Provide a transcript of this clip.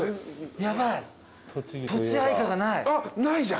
ヤバいとちあいかがない。